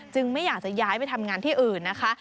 ไม่อยากจะย้ายไปทำงานที่อื่นนะคะ